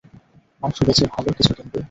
মাংস বেঁচে ভালো কিছু কিনবি।